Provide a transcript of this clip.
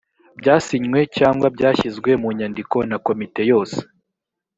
byasinywe cyangwa byashyizwe mu nyandiko na komite yose